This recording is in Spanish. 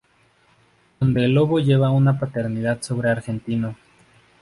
Donde el Lobo lleva una paternidad sobre Argentino